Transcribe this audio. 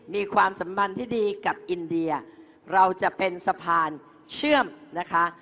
มีความสัมพันธ์ที่ดีกับอินเดียเราจะเป็นสะพานเชื่อมนะคะ